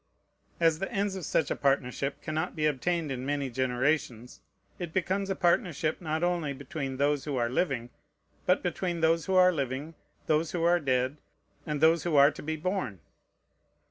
As the ends of such a partnership cannot be obtained in many generations, it becomes a partnership not only between those who are living, but between those who are living, those who are dead, and those who are to be born.